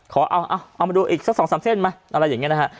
ขอเอาเอามาดูอีก๒๓เส้นเมื่ออะไรอย่างนี้นะคะ